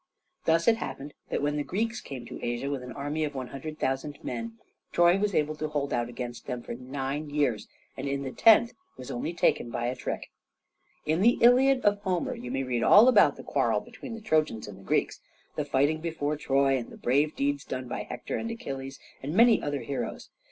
Thus it happened that when the Greeks came to Asia with an army of 100,000 men, Troy was able to hold out against them for nine years, and in the tenth was only taken by a trick. In the "Iliad" of Homer you may read all about the quarrel between the Trojans and Greeks, the fighting before Troy and the brave deeds done by Hector and Achilles, and many other heroes.